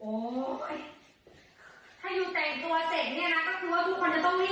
ถ้าแต่งหล่อแล้วก็จะรีบออกให้กันที